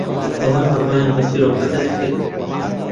ئەوان بڕوایان بە چیرۆکەکەت کرد.